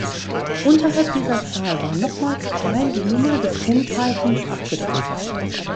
Unterhalb dieser Zahl war nochmals klein die Nummer des Kennzeichens abgedruckt.